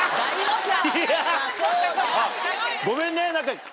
ごめんね。